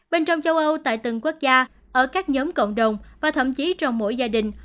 bên trong châu âu tại từng quốc gia ở các nhóm cộng đồng và thậm chí trong mỗi gia đình